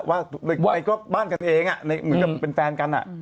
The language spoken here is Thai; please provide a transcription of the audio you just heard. ในกรอบบ้านกันเองเหมือนกับเป็นแฟนกัน